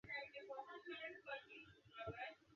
সে New ইয়র্কের একজন বড় উকিল!